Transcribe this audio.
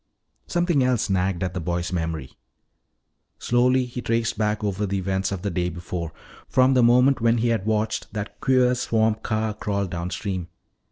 Something else nagged at the boy's memory. Slowly he traced back over the events of the day before, from the moment when he had watched that queer swamp car crawl downstream.